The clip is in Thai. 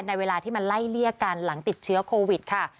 เวลาที่มันไล่เลี่ยกันหลังติดเชื้อโควิดค่ะ